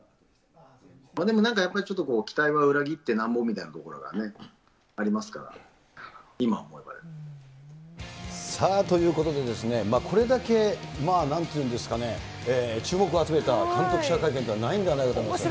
でもなんかやっぱりちょっと期待は裏切ってなんぼみたいなところさあ、ということでですね、これだけ、なんていうんですかね、注目を集めた監督記者会見というのはないんじゃなかったかと。